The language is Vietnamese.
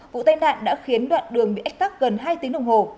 vụ tai nạn đã khiến đoạn đường bị ách tắc gần hai tiếng đồng hồ